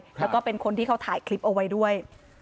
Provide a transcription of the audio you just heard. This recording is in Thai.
แล้วก็เป็นคนที่เขาถ่ายคลิปเอาไว้ด้วย